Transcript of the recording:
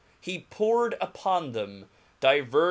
he poured upon them diver?